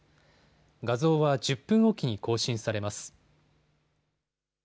画像は１０分置きに更新されます。